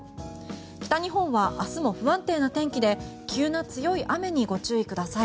北日本は明日も不安定な天気で急な強い雨にご注意ください。